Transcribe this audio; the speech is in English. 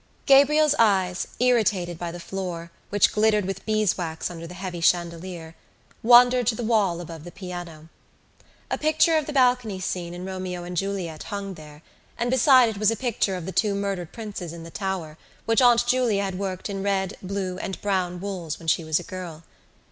Gabriel's eyes, irritated by the floor, which glittered with beeswax under the heavy chandelier, wandered to the wall above the piano. A picture of the balcony scene in Romeo and Juliet hung there and beside it was a picture of the two murdered princes in the Tower which Aunt Julia had worked in red, blue and brown wools when she was a girl.